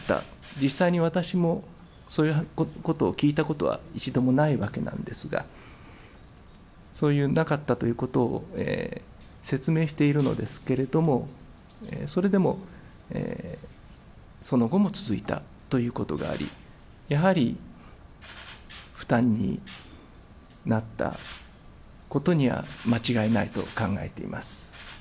実際に私も、そういうことを聞いたことは一度もないわけなんですが、そういうなかったということを説明しているのですけれども、それでもその後も続いたということがあり、やはり負担になったことには、間違いないと考えています。